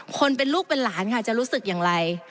คนเป็นลูกเป็นหลานค่ะจะรู้สึกอย่างไร